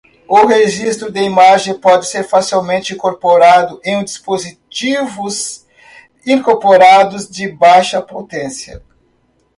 O registro de imagens pode ser facilmente incorporado em dispositivos incorporados de baixa potência.